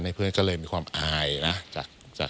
นี่ค่ะคุณผู้ชมพอเราคุยกับเพื่อนบ้านเสร็จแล้วนะน้า